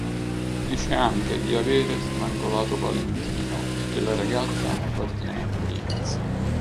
Dice anche di "avere strangolato Valentino" e che la ragazza "appartiene a Prince".